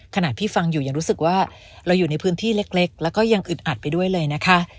ขนาดพี่ฟังอยู่ยังรู้สึกว่าเราอยู่ในพื้นที่เล็กแล้วก็ยังอึดอัดไปด้วยเลยนะคะ